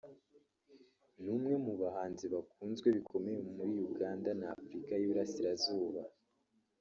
ni umwe mu bahanzi bakunzwe bikomeye muri Uganda na Afurika y’Uburasirazuba